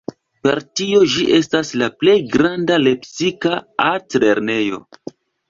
Per tio ĝi estas la plej granda lepsika altlernejo.